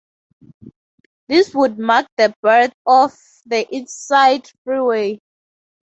This would mark the birth of the Eastside Freeway.